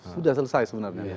sudah selesai sebenarnya